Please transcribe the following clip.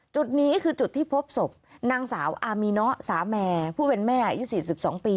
จุดนี้คือจุดที่พบศพนางสาวอามีเนาะสาแมร์ผู้เป็นแม่อายุ๔๒ปี